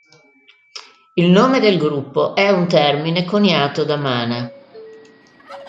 Il nome del gruppo è un termine coniato da Mana.